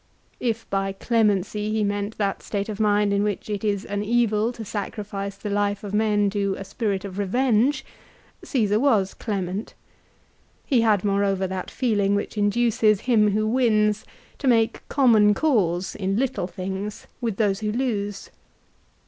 If by clemency he meant that state of mind in which it is an evil to sacrifice the life of men to a spirit of revenge, Caesar was clement. He had moreover that feeling which induces him who wins to make common cause, in little things, with those who lose.